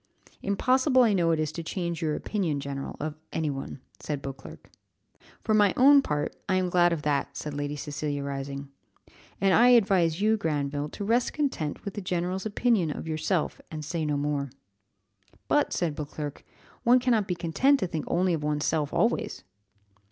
"Impossible I know it is to change your opinion, general, of any one," said Beauclerc. "For my own part, I am glad of that," said Lady Cecilia, rising; "and I advise you, Granville, to rest content with the general's opinion of yourself, and say no more." "But," said Beauclerc; "one cannot be content to think only of one's self always."